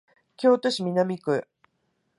京都市南区